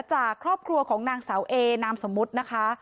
จากครอบครัวของนางสาวเอนามสมมุตินะคะ